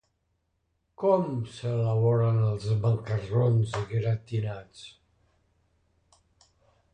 Com s'elaboren els macarrons gratinats?